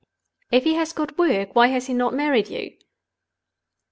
"If he has got work, why has he not married you?"